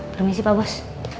permisi pak bos